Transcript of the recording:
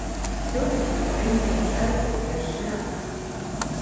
Сёлета прэмія ўручаецца першы раз.